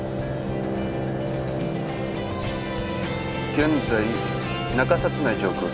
現在中札内上空。